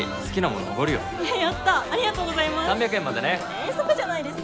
遠足じゃないですか。